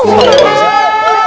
ya udah yuk langsung sana